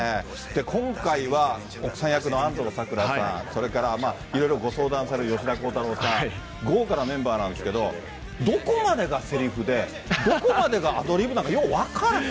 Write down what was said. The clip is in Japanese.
今回は、奥さん役の安藤サクラさん、それからいろいろご相談される吉田鋼太郎さん、豪華なメンバーなんですけど、どこまでがせりふで、どこまでがアドリブなんか、よう分からへん。